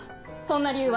そんな理由